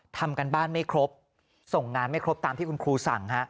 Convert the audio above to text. ทำการบ้านไม่ครบส่งงานไม่ครบตามที่คุณครูสั่ง